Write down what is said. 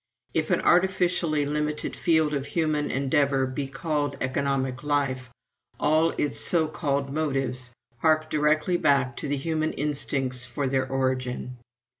If an artificially limited field of human endeavor be called economic life, all its so called motives hark directly back to the human instincts for their origin.